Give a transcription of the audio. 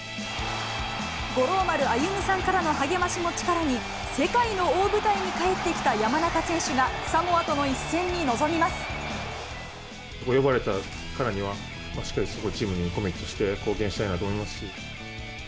五郎丸歩さんからの励ましも力に、世界の大舞台に帰ってきた山中選手が、サモアとの一戦に臨呼ばれたからには、しっかりチームにコミットして貢献したいなと思いますし。